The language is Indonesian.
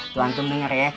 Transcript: tuh antum dengar ya